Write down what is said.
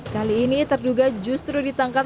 kali ini terduga justru ditangkap